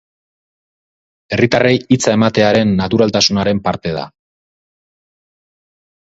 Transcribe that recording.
Herritarrei hitza ematearen naturaltasunaren parte da.